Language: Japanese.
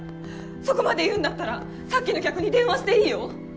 そこまで言うんだったらさっきの客に電話していいよ！